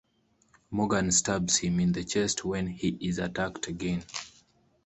Morgan stabs him in the chest when he is attacked again.